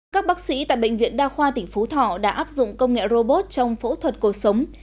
các bác sĩ tại bệnh viện đa khoa tỉnh phú thọ đã áp dụng công nghệ robot trong phẫu thuật cuộc sống